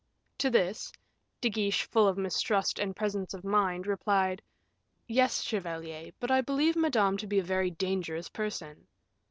To this, De Guiche full of mistrust and presence of mind, replied, "Yes, chevalier; but I believe Madame to be a very dangerous person."